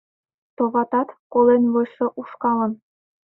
Товатат, колен вочшо ушкалын